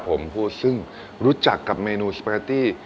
ผมพูดซึ่งรู้จักกับเมนูสปาร์ตี้